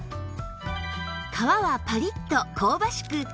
皮はパリッと香ばしく